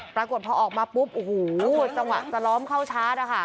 ปรากฏพอออกมาปุ๊บโอ้โหจังหวะจะล้อมเข้าชาร์จนะคะ